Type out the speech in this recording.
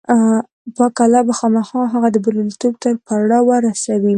پاک الله به خامخا هغه د برياليتوب تر پړاوه رسوي.